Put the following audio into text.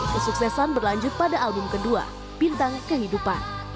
kesuksesan berlanjut pada album kedua bintang kehidupan